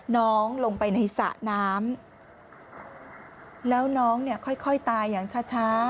น้องลงไปในสระน้ำแล้วน้องเนี่ยค่อยค่อยตายอย่างช้า